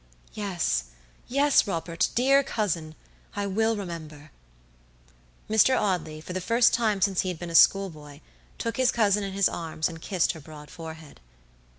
"Yesyes, Robert, dear cousin, I will remember." Mr. Audley, for the first time since he had been a schoolboy, took his cousin in his arms and kissed her broad forehead.